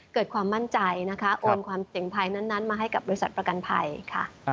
เกิดความมั่นใจนะคะโอนความเสี่ยงภัยนั้นมาให้กับบริษัทประกันภัยค่ะ